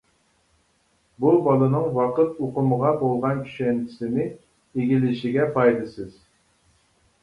بۇ، بالىنىڭ ۋاقىت ئۇقۇمىغا بولغان چۈشەنچىسىنى ئىگىلىشىگە پايدىسىز.